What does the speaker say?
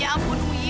ya ampun wuyi